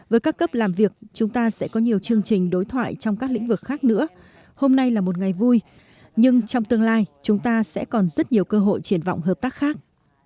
với các cấp làm việc chúng ta sẽ có nhiều chương trình đối thoại trong các lĩnh vực khác nữa hôm nay là một ngày vui nhưng trong tương lai chúng ta sẽ còn rất nhiều cơ hội triển vọng hợp tác khác